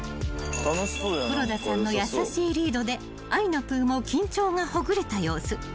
［黒田さんの優しいリードであいなぷぅも緊張がほぐれた様子］